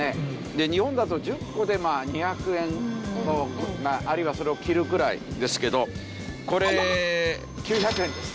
で日本だと１０個で２００円あるいはそれを切るくらいですけどこれ９００円です。